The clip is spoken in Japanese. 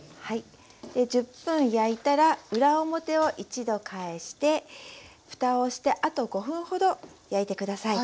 １０分焼いたら裏表を一度返してふたをしてあと５分ほど焼いて下さい。